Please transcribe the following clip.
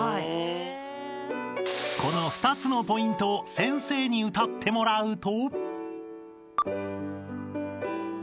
［この２つのポイントを先生に歌ってもらうと］